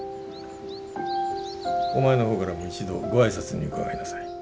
お前の方からも一度ご挨拶に伺いなさい。